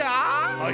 はい。